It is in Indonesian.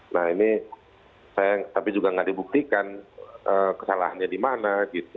nah ini tapi juga nggak dibuktikan kesalahannya di mana gitu